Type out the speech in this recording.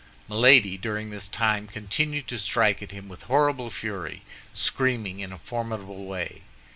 Milady during this time continued to strike at him with horrible fury, screaming in a formidable way.